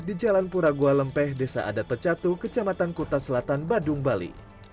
di jalan puragua lempeh desa adat pecatu kecamatan kota selatan badung bali